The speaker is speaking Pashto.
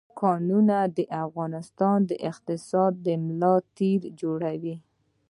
کانونه د افغانستان د اقتصاد ملا تیر جوړوي.